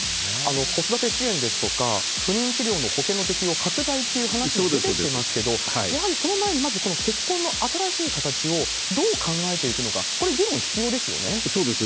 子育て支援ですとか、不妊治療の保険の適用の拡大という話も出てきてますけれども、やはりその前に、まずこの結婚の新しい形をどう考えていくのか、こそうです。